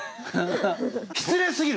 失礼すぎる！